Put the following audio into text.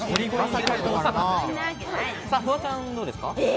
フワちゃんどうですか？